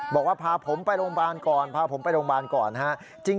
บอกว่าพาผมไปโรงพยาบาลก่อนพาผมไปโรงพยาบาลก่อนนะครับ